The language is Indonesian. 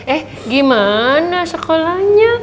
eh gimana sekolahnya